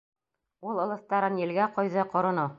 Ул ылыҫтарын елгә ҡойҙо, ҡороно.